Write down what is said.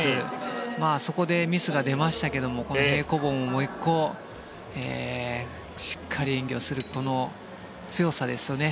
そこでミスが出ましたけどこの平行棒もしっかり演技をするこの強さですよね。